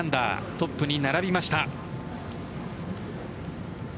トップに並びました。